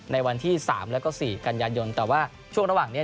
ในวันที่สามแล้วก็สี่กันยายนแต่ว่าช่วงระหว่างนี้